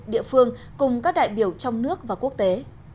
địa phương cùng các đại biểu trong nước và quốc tế